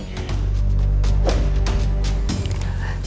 aku mau pergi